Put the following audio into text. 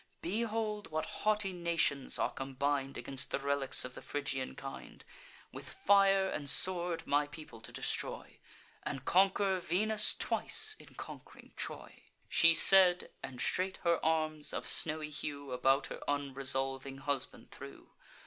Behold, what haughty nations are combin'd Against the relics of the Phrygian kind, With fire and sword my people to destroy, And conquer Venus twice, in conqu'ring Troy." She said; and straight her arms, of snowy hue, About her unresolving husband threw.